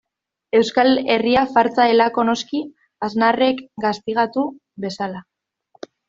Euskal Herria fartsa delako, noski, Aznarrek gaztigatu bezala.